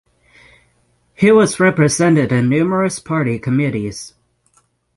He was represented in numerous party committees.